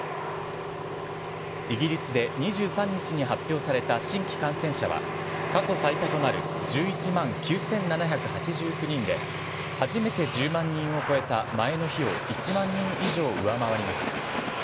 イギリスで２３日に発表された新規感染者は過去最多となる１１万９７８９人で初めて１０万人を超えた前の日を１万人以上上回りました。